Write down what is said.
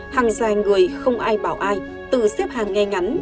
hàng dài người không ai bảo ai tự xếp hàng nghe ngắn